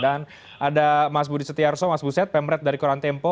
dan ada mas budi setiarso mas buset pemret dari korantempo